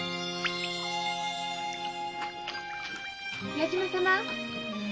矢島様？